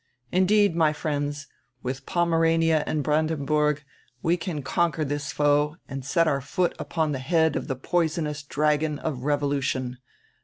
Indeed, my friends, with Pomerania and Brandenburg we can conquer this foe and set our foot upon die head of die poisonous dragon of revolution.